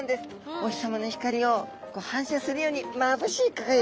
お日さまの光を反射するようにまぶしい輝きですね。